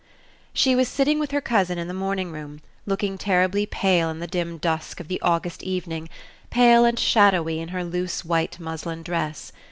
She was sitting with her cousin in the morning room, looking terribly pale in the dim dusk of the August evening pale and shadowy in her loose white muslin dress.